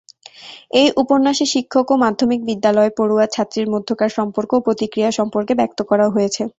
এ উপন্যাসে শিক্ষক ও মাধ্যমিক বিদ্যালয়ে পড়ুয়া ছাত্রীর মধ্যকার সম্পর্ক ও প্রতিক্রিয়া সম্পর্কে ব্যক্ত করা হয়েছে।